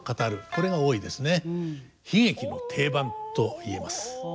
これが多いですね。